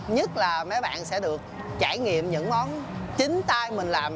nhất là mấy bạn sẽ được trải nghiệm những món chính tay mình làm